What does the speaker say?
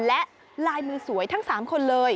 และลายมือสวยทั้ง๓คนเลย